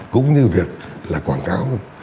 cũng như việc quảng cáo